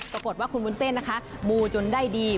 ปรากฏว่าคุณวุ้นเส้นนะคะมูจนได้ดี